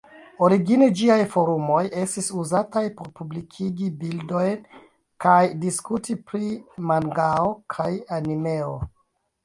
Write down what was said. Origine ĝiaj forumoj estis uzataj por publikigi bildojn kaj diskuti pri mangao kaj animeo.